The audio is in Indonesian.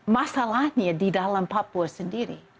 masalahnya di dalam papua sendiri